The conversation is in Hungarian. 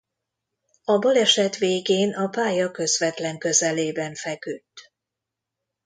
A baleset végén a pálya közvetlen közelében feküdt.